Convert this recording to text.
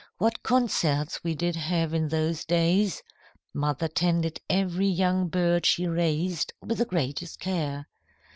What concerts we did have in those days! Mother tended every young bird she raised with the greatest care.